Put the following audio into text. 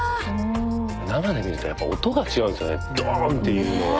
生で見るとやっぱ音が違うんですよねドン！っていうのが。